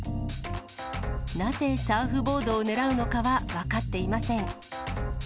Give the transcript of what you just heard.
なぜサーフボードを狙うのかは分かっていません。